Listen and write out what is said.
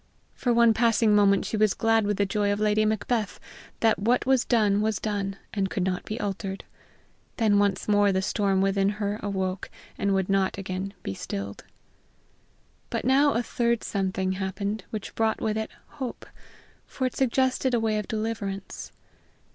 For one passing moment she was glad with the joy of Lady Macbeth, that what was done was done, and could not be altered. Then once more the storm within her awoke and would not again be stilled. But now a third something happened which brought with it hope, for it suggested a way of deliverance.